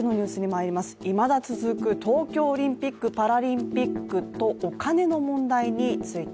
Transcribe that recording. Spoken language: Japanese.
いまだ続く東京オリンピック・パラリンピックとお金の問題について。